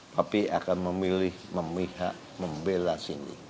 papi akan memilih memihak membela cindy